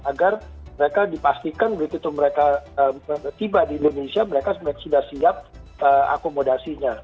agar mereka dipastikan begitu mereka tiba di indonesia mereka sudah siap akomodasinya